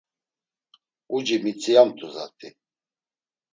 Uci mitziamt̆u zat̆i.